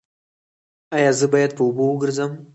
ایا زه باید په اوبو وګرځم؟